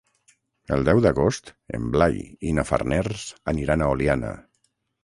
El deu d'agost en Blai i na Farners aniran a Oliana.